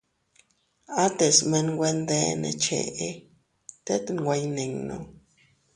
Ates menwe nde ne cheʼe tet nwe iyninnu.